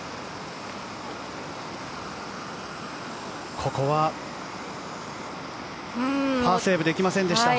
ここはパーセーブできませんでした。